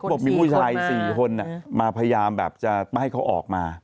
บอกมีผู้ชาย๔คนมาพยายามแบบจะไม่ให้เขาออกมา